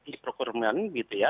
di prokurmen gitu ya